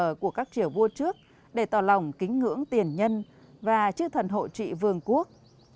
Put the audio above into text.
các thờ của các triều vua trước để tỏ lòng kính ngưỡng tiền nhân và chư thần hội trị vương quốc